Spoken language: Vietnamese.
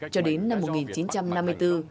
cho đến năm một nghìn chín trăm năm mươi bốn